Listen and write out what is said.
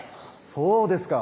そうですか！